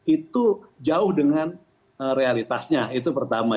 itu jauh dengan realitasnya itu pertama